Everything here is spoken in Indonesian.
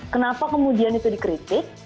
kenapa kemudian itu dikritik